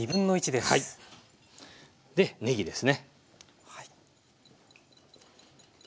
ねぎですね。